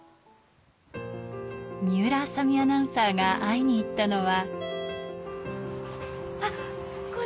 水卜麻美アナウンサーが会いに行ったのは。